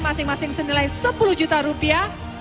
masing masing senilai sepuluh juta rupiah